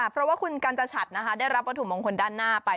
เพราะว่าคุณกัญจชัตริย์ได้รับประถุมองค์คนด้านหน้าไป